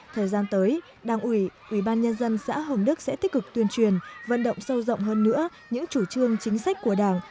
thời gian tới đảng ủy ủy ban nhân dân xã hồng đức sẽ tích cực tuyên truyền vận động sâu rộng hơn nữa những chủ trương chính sách của đảng